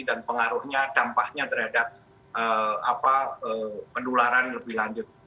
dan pengaruhnya dampaknya terhadap pendularan lebih lanjut